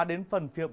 đến phần phía bắc bộ